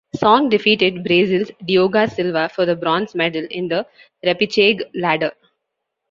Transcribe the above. Song defeated Brazil's Diogo Silva for the Bronze medal in the Repechage ladder.